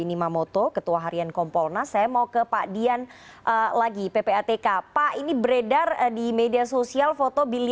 itu kalau ada hal hal